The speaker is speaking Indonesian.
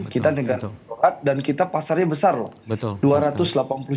kita negara dan kita pasarnya besar loh